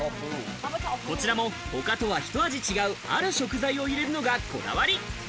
こちらも他とは一味違う、ある食材を入れるのがこだわり。